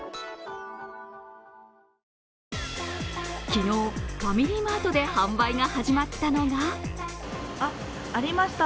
昨日、ファミリーマートで販売が始まったのがあっ、ありました